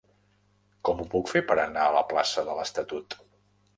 Com ho puc fer per anar a la plaça de l'Estatut?